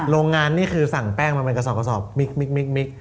โรงงานนี่คือสั่งแป้งมาเป็นกระสอบกระสอบมิก